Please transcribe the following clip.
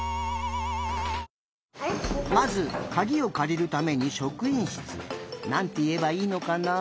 まずかぎをかりるためにしょくいんしつへ。なんていえばいいのかな。